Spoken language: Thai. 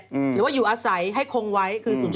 หรือว่าอยู่อาศัยให้คงไว้คือ๐๒